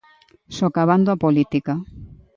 Socavando a política.